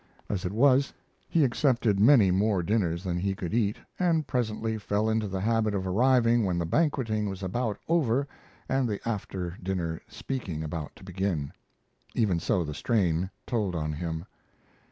As it was, he accepted many more dinners than he could eat, and presently fell into the habit of arriving when the banqueting was about over and the after dinner speaking about to begin. Even so the strain told on him.